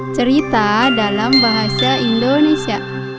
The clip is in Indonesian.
cerita dalam bahasa indonesia